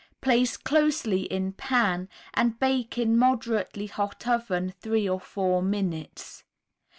Place closely in pan and bake in moderately hot oven three or four minutes.